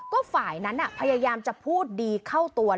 ก็ฝ่ายนั้นพยายามจะพูดดีเข้าตัว